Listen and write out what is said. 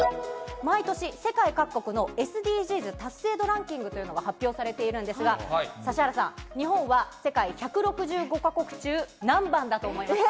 毎年、世界各国のＳＤＧｓ達成度ランキングというものが発表されているんですが、指原さん、日本は、世界１６５か国中、何番だと思います？